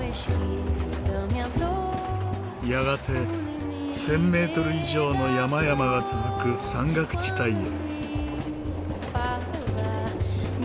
やがて１０００メートル以上の山々が続く山岳地帯へ。